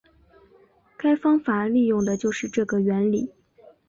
该方法利用的就是这个原理。